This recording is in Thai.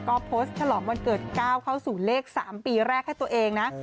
ก็โพสต์ฉลองวันเกิด๙เข้าสู่เลข๓ปีแรกให้ตัวเองนะ